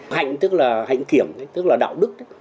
hạnh tức là hạnh kiểm tức là đạo đức